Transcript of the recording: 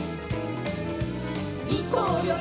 「いこうよい